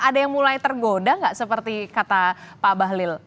ada yang mulai tergoda nggak seperti kata pak bahlil